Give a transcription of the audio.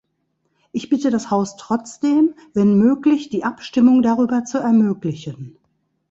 Ich bitte das Haus trotzdem, wenn möglich die Abstimmung darüber zu ermöglichen.